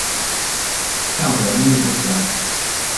讓人目不暇給